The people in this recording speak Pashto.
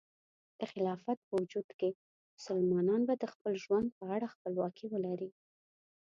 د خلافت په وجود کې، مسلمانان به د خپل ژوند په اړه خپلواکي ولري.